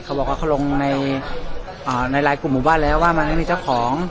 เขาบอกว่าเขาลงในลายกลุ่มหมู่บ้านแล้วว่ามันไม่มีเจ้าของ